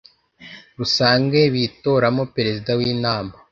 Rusange bitoramo Prezida w inama